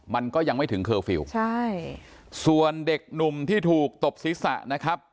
มันก็ยังไม่ถึงเคอร์ฟิลล์ใช่ส่วนเด็กหนุ่มที่ถูกตบศีรษะนะครับ